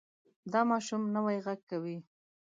دا ماشوم نوی غږ کوي.